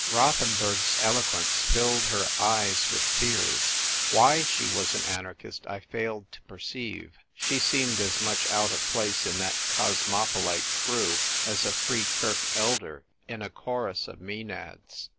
Rothenburg's eloquence filled her eyes with tears. J^y/iy she was an anarchist A MUTINOUS MUTINEER. 69 I failed to perceiv^c. She seemed as much out of place in that cosmopolite crew as a Free Kirk elder in a chorus of Maenads.